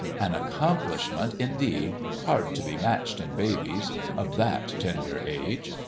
An accomplishment, indeed, hard to be matched in babies of that tender age